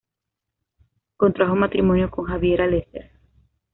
Contrajo matrimonio con Javiera Lesser.